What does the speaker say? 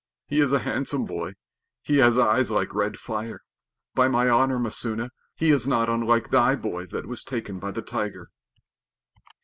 He is a handsome boy. He has eyes like red fire. By my honor, Messua, he is not unlike thy boy that was taken by the tiger."